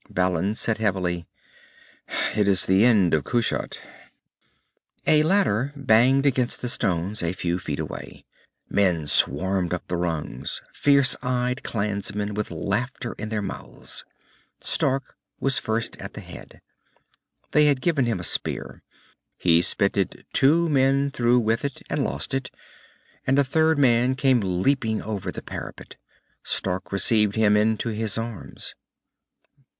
Balin said heavily, "It is the end of Kushat." A ladder banged against the stones a few feet away. Men swarmed up the rungs, fierce eyed clansmen with laughter in their mouths. Stark was first at the head. They had given him a spear. He spitted two men through with it and lost it, and a third man came leaping over the parapet. Stark received him into his arms.